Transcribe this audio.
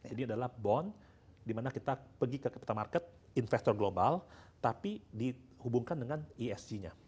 ini adalah bond di mana kita pergi ke market investor global tapi dihubungkan dengan isg nya